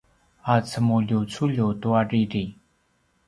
a cemuljuculju tua riri